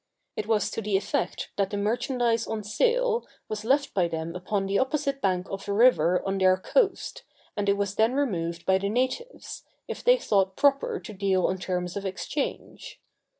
It was to the effect that the merchandise on sale was left by them upon the opposite bank of a river on their coast, and it was then removed by the natives, if they thought proper to deal on terms of exchange.